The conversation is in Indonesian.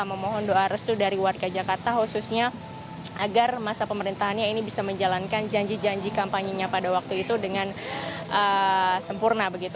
memohon doa restu dari warga jakarta khususnya agar masa pemerintahannya ini bisa menjalankan janji janji kampanyenya pada waktu itu dengan sempurna